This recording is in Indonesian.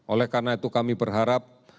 oleh karena itu kami berharap